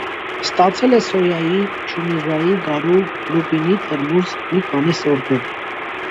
Ստացել է սոյայի, չումիզայի, գարու, լուպինի (թրմուզ) մի քանի սորտեր։